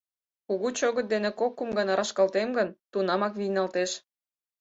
Кугу чӧгыт дене кок-кум гана рашкалтем гын, тунамак вийналтеш.